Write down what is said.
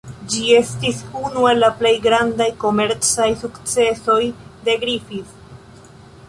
Ĝi estis unu el la plej grandaj komercaj sukcesoj de Griffith.